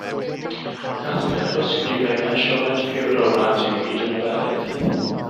Casgliad o ysgrifau gan Sioned Puw Rowlands yw Byd y Nofelydd.